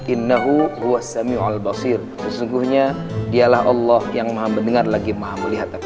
innahu huwas samiul albasir sesungguhnya dialah allah yang maha mendengar lagi maha melihat apa